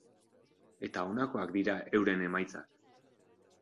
Eta honakoak dira euren emaitzak.